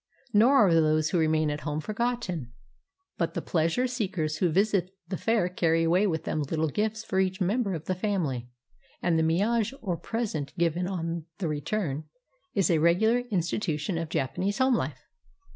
Nor are those who remain at home forgotten, but the pleasure seekers who visit the fair carry away with them Uttle gifts for each member of the family, and the 0 miage, or present given on the return, is a regular institution of Japanese home Ufe.